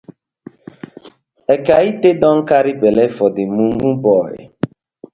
Ekaete don carry belle for dey mumu boy.